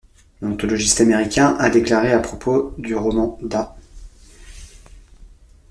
L'anthologiste américain a déclaré à propos du roman d'A.